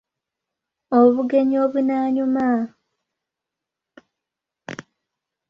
Obugenyi obunaanyuma, ……………..